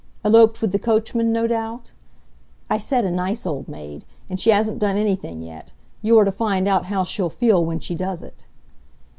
"Eloped with the coachman, no doubt?" "I said a nice old maid. And she hasn't done anything yet. You are to find out how she'll feel when she does it."